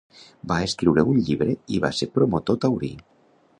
Va escriure un llibre i va ser promotor taurí.